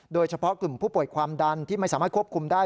โดยเฉพาะกลุ่มผู้ป่วยความดันที่ไม่สามารถควบคุมได้